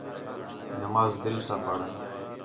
نماز دِل ساں پڑھ